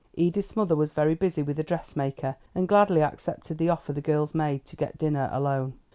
Edith's mother was very busy with a dressmaker, and gladly accepted the offer the girls made to get dinner alone.